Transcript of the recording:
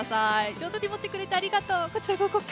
上手に持ってくれてありがとう。